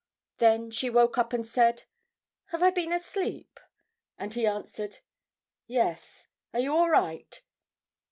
Then she woke up and said, "Have I been asleep?" and he answered, "Yes. Are you all right?